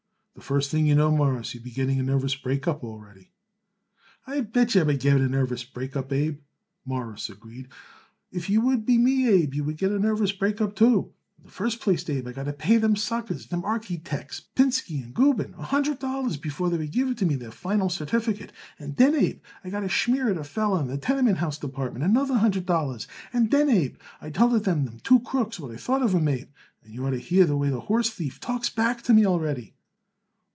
"The first thing you know, Mawruss, you will be getting a nervous break up, already." "I bet yer I would get a nervous break up, Abe," Morris agreed. "If you would be me, Abe, you would get a nervous break up, too. In the first place, Abe, I got to pay them suckers them archy tecks, Pinsky & Gubin, a hundred dollars before they would give it me their final certificate, and then, Abe, I got to schmier it a feller in the tenement house department another hundred dollars. And then, Abe, I told it them other two crooks what I thought of 'em, Abe, and you ought to hear the way that horse thief talks back to me, already."